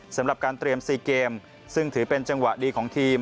สำหรับการเตรียม๔เกมซึ่งถือเป็นจังหวะดีของทีม